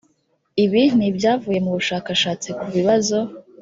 ibi ni ibyavuye mu bushakashatsi ku bibazo